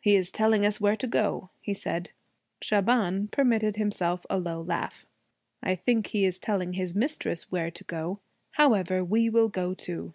'He is telling us where to go,' he said. Shaban permitted himself a low laugh. 'I think he is telling his mistress where to go. However, we will go too.'